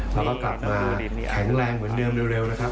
แล้วก็กลับมาแข็งแรงเหมือนเดิมเร็วนะครับ